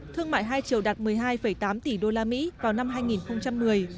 thương mại hai triệu đạt một mươi hai tám tỷ usd vào năm hai nghìn một mươi